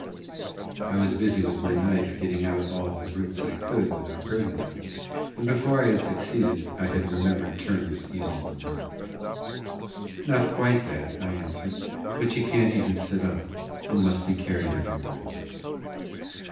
I was busy with my knife getting out all the roots I could without hurting them, and before I had succeeded I had remembered Turner's using the word. "Not quite that," I answered, "but she can't even sit up, and must be carried everywhere."